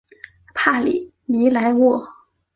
帕里尼莱沃。